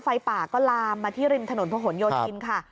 ไฟป่าก็ลามมาที่ริมถนนพระหลโยธินค่ะ